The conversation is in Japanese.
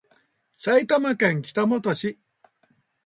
埼玉県北本市